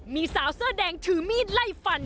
มีสาวเสื้อแดงถือมีดไล่ฟัน